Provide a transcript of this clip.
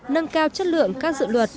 nâng cao chất lượng các dự luật